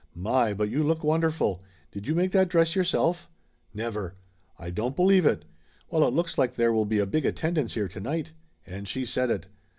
"My, but you look wonderful! Did you make that dress yourself ? Never ! I don't believe it! Well, it looks like there will be a big attendance here to night!" And she said it.